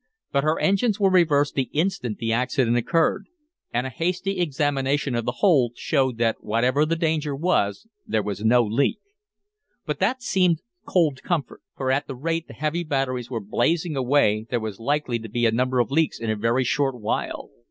But her engines were reversed the instant the accident occurred. And a hasty examination of the hold showed that whatever the danger was there was no leak. But that seemed cold comfort, for at the rate the heavy batteries were blazing away there was likely to be a number of leaks in a very short while.